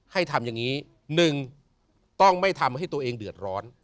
ให้ทำอย่างนี้๑ต้องไม่ทำให้ตัวเองเดือดร้อน